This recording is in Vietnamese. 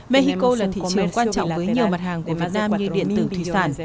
mexico là thị trường quan trọng với nhiều mặt hàng của việt nam như điện tử thủy sản